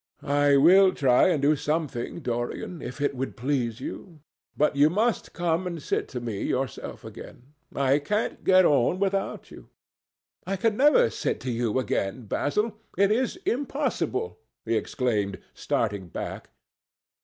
"I will try and do something, Dorian, if it would please you. But you must come and sit to me yourself again. I can't get on without you." "I can never sit to you again, Basil. It is impossible!" he exclaimed, starting back.